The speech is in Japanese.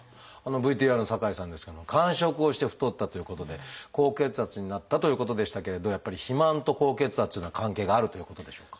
ＶＴＲの酒井さんですけれども間食をして太ったということで高血圧になったということでしたけれどやっぱり肥満と高血圧というのは関係があるということでしょうか？